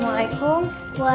abis itu langsung ketemu deh